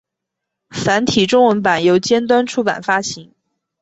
繁体中文版由尖端出版发行。